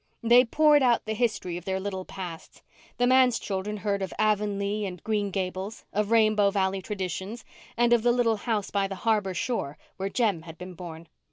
They poured out the history of their little pasts. The manse children heard of Avonlea and Green Gables, of Rainbow Valley traditions, and of the little house by the harbour shore where Jem had been born.